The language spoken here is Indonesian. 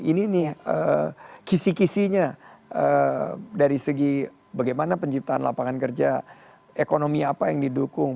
ini nih kisi kisinya dari segi bagaimana penciptaan lapangan kerja ekonomi apa yang didukung